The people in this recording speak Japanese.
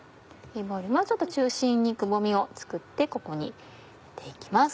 ちょっと中心にくぼみを作ってここに入れて行きます。